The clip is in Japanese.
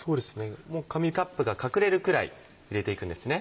もう紙カップが隠れるくらい入れていくんですね。